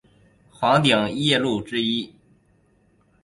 黄顶夜鹭之一。